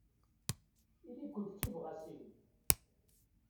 Ili-kent d tibɣasin.